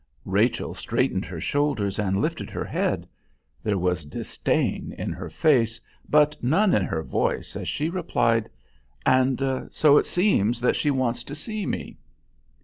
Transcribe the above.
Rachel straightened her shoulders and lifted her head; there was disdain in her face, but none in her voice as she replied: "And so it seems that she wants to see me."